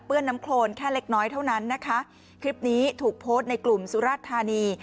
น้ำโครนแค่เล็กน้อยเท่านั้นนะคะคลิปนี้ถูกโพสต์ในกลุ่มสุราชธานี